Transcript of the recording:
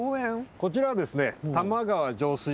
こちらはですね。